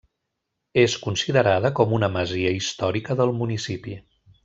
És considerada com una masia històrica del municipi.